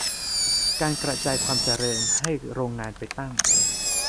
การ "กระจายความเจริญ" ให้โรงงานไปตั้ง